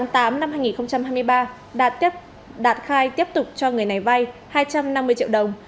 tháng tám năm hai nghìn hai mươi ba đạt khai tiếp tục cho người này vay hai trăm năm mươi triệu đồng